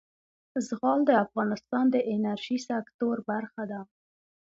زغال د افغانستان د انرژۍ سکتور برخه ده.